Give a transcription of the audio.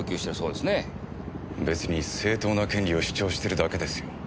別に正当な権利を主張してるだけですよ。